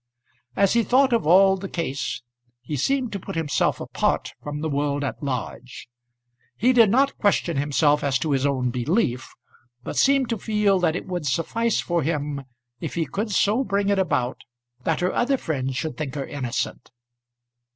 As he thought of all the case, he seemed to put himself apart from the world at large. He did not question himself as to his own belief, but seemed to feel that it would suffice for him if he could so bring it about that her other friends should think her innocent.